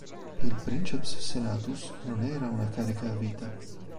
Il "princeps senatus" non era una carica a vita.